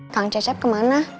kang cecep kemana